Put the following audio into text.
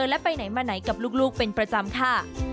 และไปไหนมาไหนกับลูกเป็นประจำค่ะ